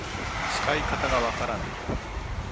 使い方がわからない